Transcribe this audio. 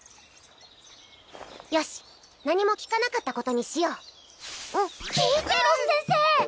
よし何も聞かなかったことにしよう聞いてロス先生